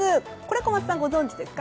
小松さん、ご存じですか？